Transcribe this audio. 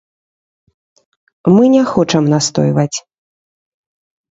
Мы не хочам настойваць.